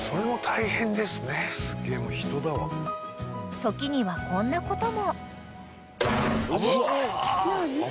［時にはこんなことも］